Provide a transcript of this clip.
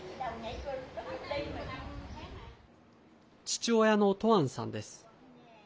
父親のトアンさんです。